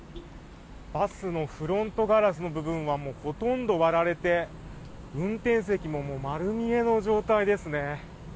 バスのフロントガラスの部分はほとんど割られて運転席も丸見えの状態ですね。